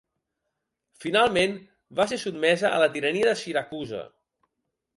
Finalment va ser sotmesa a la tirania de Siracusa.